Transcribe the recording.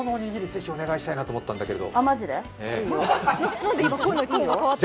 ぜひお願いしたいなと思ったんだけど。